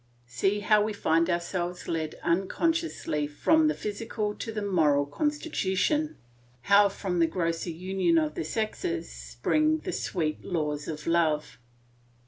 See how we find ourselves led unconsciously from the physical to the moral constitution, how from the grosser union of the sexes spring the sweet laws of love.